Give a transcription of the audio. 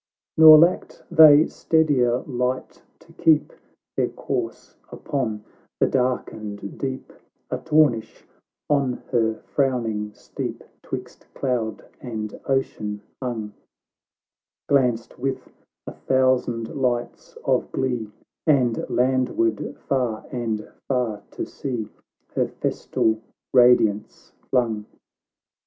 XXII Nor lacked they steadier light to keep Their course upon the darkened deep ;— Artornish, on her frowning steep 'Twixt cloud and ocean hung, Glanced with a thousand lights of glee, And landward far, and far to sea, Her festal radiance flung.